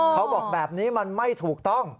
เขาบอกแบบนี้มันไม่ถูกต้อง